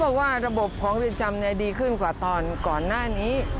บอกว่าระบบของเรือนจำดีขึ้นกว่าตอนก่อนหน้านี้